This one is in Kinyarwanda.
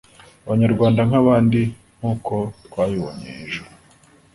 Abanyarwanda nk'abandi nk'uko twabibonye hejuru